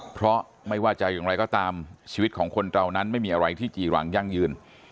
เพราะไม่ว่าจะอย่างไรก็ตามชีวิตของคนเรานั้นไม่มีอะไรที่จีรังยั่งยืน